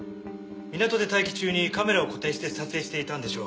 港で待機中にカメラを固定して撮影していたんでしょう。